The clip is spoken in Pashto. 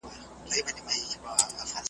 بېلوبېلو بادارانوته رسیږي .